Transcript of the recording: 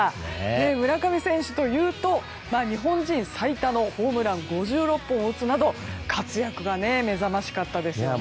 村上選手というと日本人最多のホームラン５６本を打つなど活躍が目覚ましかったですよね。